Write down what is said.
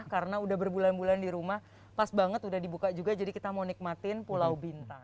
karena udah berbulan bulan di rumah pas banget udah dibuka juga jadi kita mau nikmatin pulau bintang